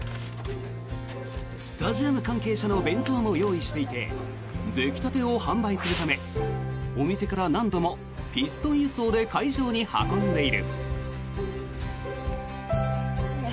スタジアム関係者の弁当も用意していて出来たてを販売するためお店から何度もピストン輸送で会場に運んでいる。